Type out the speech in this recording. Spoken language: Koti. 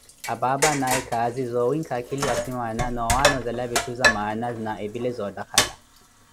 Apaapa anaaye khaazi zoowinkha akhili asimaana na owanozela vitthu za maana na epile zootakhala.